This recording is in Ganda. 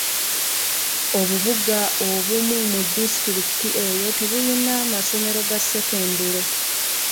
Obubuga obumu mu disitulikiti eyo tebuyina masomero ga sekendule.